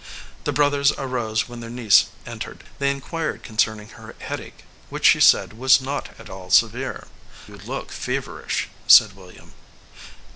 The brothers arose when their niece entered. They inquired concerning her head ache, which she said was not at all severe. "You look feverish," said William.